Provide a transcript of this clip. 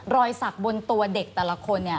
รอยสักบนตัวเด็กแต่ละคนเนี่ย